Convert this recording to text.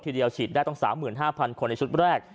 ทีเดียวฉีดได้ต้อง๓๕๐๐คนในชุดแรก